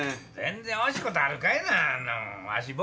全然惜しいことあるかいな。